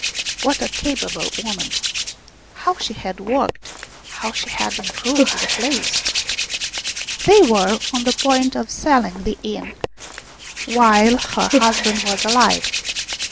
What a capable woman ! How she had worked, how she had improved the place ! They were on the point of selling the inn while her 35 36 ROUMANIAN STORIES husband was alive.